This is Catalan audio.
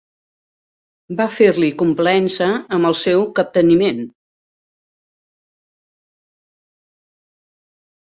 Va fer-li complaença amb el seu capteniment.